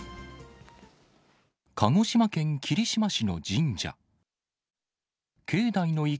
鹿児島県霧島市の神社。